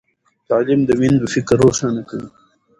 تعلیم د میندو فکر روښانه کوي۔